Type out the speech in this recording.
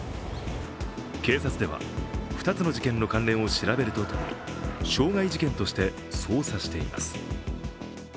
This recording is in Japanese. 警察では、２つの事件の関連を調べるとともに、傷害事件として捜査しています。